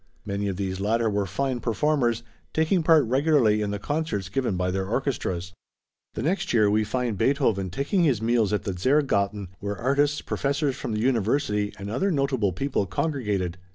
Many of these latter were fine performers, taking part regularly in the concerts given by their orchestras. The next year we find Beethoven taking his meals at the Zehrgarten, where artists, professors from the university, and other notable people congregated.